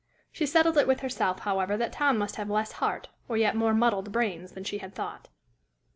She settled it with herself, however, that Tom must have less heart or yet more muddled brains than she had thought.